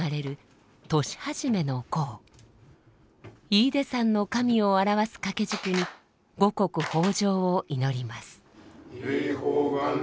飯豊山の神を表す掛け軸に五穀豊穣を祈ります。